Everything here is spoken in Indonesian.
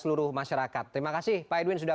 seluruh masyarakat terima kasih pak edwin sudah